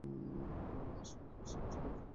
আর সোজা হয়ে বসে থাকা তার পক্ষে সম্ভব হয় না।